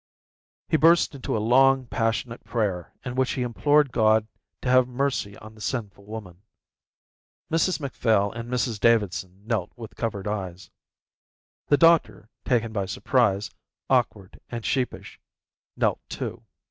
He burst into a long, passionate prayer in which he implored God to have mercy on the sinful woman. Mrs Macphail and Mrs Davidson knelt with covered eyes. The doctor, taken by surprise, awkward and sheepish, knelt too.